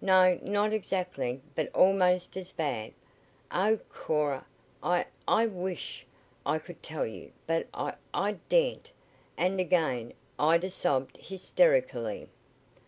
"No, not exactly, but almost as bad. Oh, Cora, I I wish I could tell you, but I I daren't!" and again Ida sobbed hysterically.